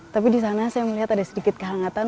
tapi di sana saya melihat ada sedikit kehangatan